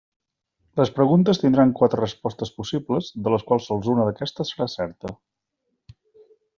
Les preguntes tindran quatre respostes possibles, de les quals sols una d'aquestes serà certa.